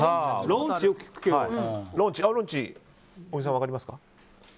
ローンチ小木さん分かりますか？